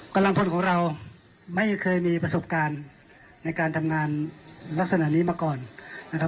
กำลังพลของเราไม่เคยมีประสบการณ์ในการทำงานลักษณะนี้มาก่อนนะครับ